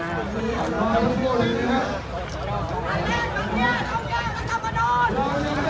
ออกไปออกไปออกไป